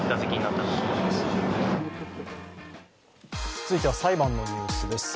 続いては裁判のニュースです。